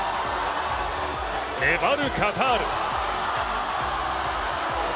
粘るカタール。